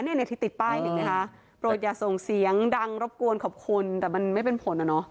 เนี่ยที่ติดป้ายเห็นไหมคะโปรดอย่าส่งเสียงดังรบกวนขอบคุณแต่มันไม่เป็นผลอ่ะเนอะ